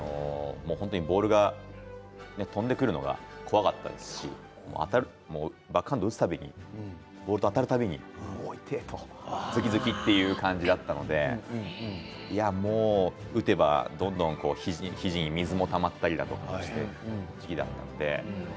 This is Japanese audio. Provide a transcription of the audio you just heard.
ボールが飛んでくるのが怖かったですしバックハンドを打つたびにボールが当たるたびに痛えとズキズキという感じだったので打てば、どんどん肘に水もたまったりだとかしてという時期だったので。